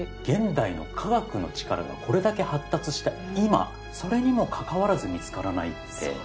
現代の科学の力がこれだけ発達した今それにもかかわらず見つからないって。